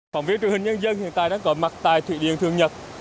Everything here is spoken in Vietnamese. phóng viên truyền hình nhân dân hiện tại đang có mặt tại thủy điện thượng nhật